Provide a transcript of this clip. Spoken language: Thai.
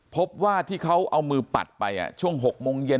พบว่าที่เขาเอามือปัดไปช่วง๖โมงเย็น